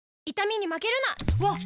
わっ！